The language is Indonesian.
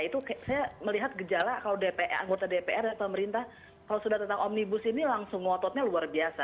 itu saya melihat gejala kalau anggota dpr dan pemerintah kalau sudah tentang omnibus ini langsung ngototnya luar biasa